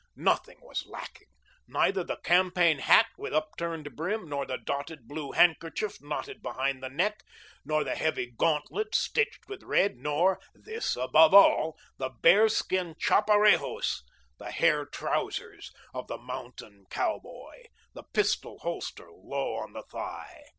Nothing was lacking neither the campaign hat with upturned brim, nor the dotted blue handkerchief knotted behind the neck, nor the heavy gauntlets stitched with red, nor this above all the bear skin "chaparejos," the hair trousers of the mountain cowboy, the pistol holster low on the thigh.